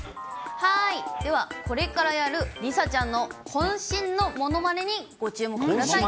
はい、ではこれからやる梨紗ちゃんのこん身のものまねにご注目ください。